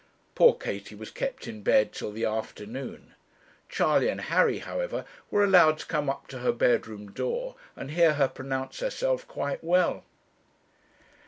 Poor Katie was kept in bed till the afternoon. Charley and Harry, however, were allowed to come up to her bedroom door, and hear her pronounce herself quite well.